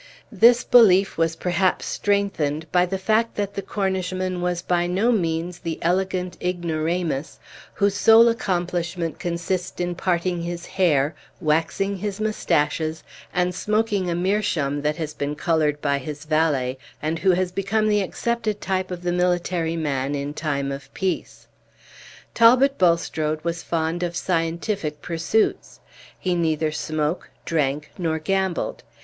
This belief was perhaps strengthened by the fact that the Cornishman was by no means the elegant ignoramus whose sole accomplishment consist in parting his hair, waxing his mustaches, and smoking a meerschaum that has been colored by his valet, and who has become the accepted type of the military man in time of peace. Talbot Bulstrode was fond of scientific pursuits; he neither smoked, drank, nor gambled.